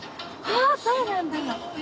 はあそうなんだ！